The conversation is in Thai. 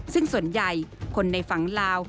ซึ่งส่วนใหญ่คนในฝั่งลาว